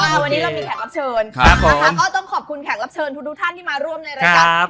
วันนี้เรามีแขกรับเชิญนะคะก็ต้องขอบคุณแขกรับเชิญทุกท่านที่มาร่วมในรายการ